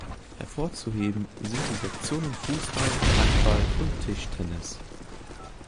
Hervorzuheben sind die Sektionen Fußball, Handball und Tischtennis.